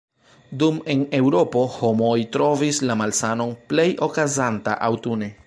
Dum en Eŭropo, homoj trovis la malsanon plej okazanta aŭtune.